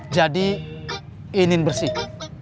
jadi ini bersih